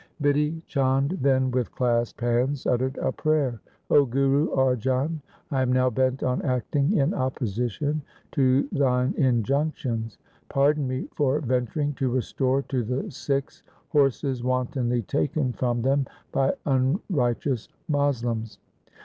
Bidhi Chand then with clasped hands uttered a prayer. ' 0 Guru Arjan, I am now bent on acting in opposition to thine injunctions ; pardon me for ven turing to restore to thy Sikhs horses wantonly taken from them by unrighteous Moslems.